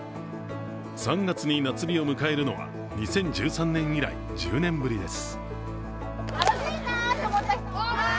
３月に夏日を迎えるのは２０１３年以来１０年ぶりです。